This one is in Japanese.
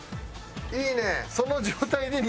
いいね！